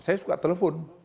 saya suka telepon